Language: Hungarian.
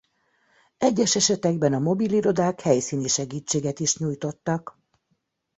Egyes esetekben a mobil irodák helyszíni segítséget is nyújtottak.